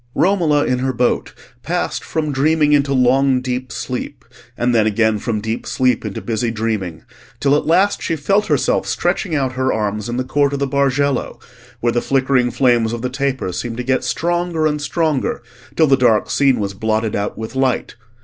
Romola in her boat passed from dreaming into long deep sleep, and then again from deep sleep into busy dreaming, till at last she felt herself stretching out her arms in the court of the Bargello, where the flickering flames of the tapers seemed to get stronger and stronger till the dark scene was blotted out with light.